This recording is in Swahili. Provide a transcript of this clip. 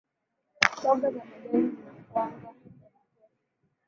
mboga za majani zina wanga ya kutosha